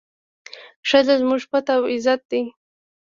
ښځه زموږ پت او عزت دی.